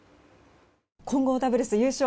混合ダブルス優勝